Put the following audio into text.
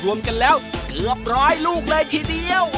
รวมกันแล้วเกือบร้อยลูกเลยทีเดียว